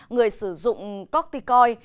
người sử dụng corticoid